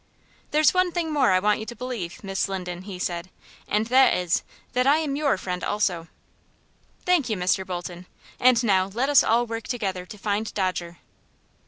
"There's one thing more I want you to believe, Miss Linden," he said, "and that is, that I am your friend, also." "Thank you, Mr. Bolton. And now let us all work together to find Dodger."